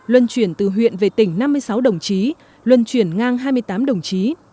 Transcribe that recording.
luân chuyển từ huyện về tỉnh năm mươi sáu đồng chí luân chuyển ngang hai mươi tám đồng chí